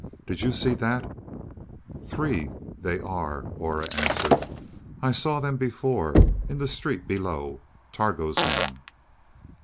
"Did you see that?" "Three, they are," Aura answered. "I saw them before in the street below Targo's men."